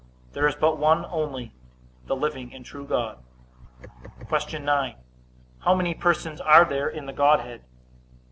There is but one only, the living and true God. Q. 9. How many persons are there in the Godhead?